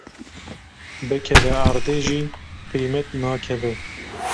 bikeve erdê jî qîmet nakeve.